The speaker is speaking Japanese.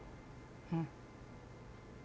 うん。